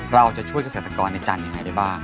เราจะช่วยเกษตรกรในจานยังไงได้บ้าง